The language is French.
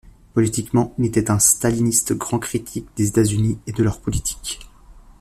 Politiquement, il était un staliniste grand critique des États-Unis et de leur politique.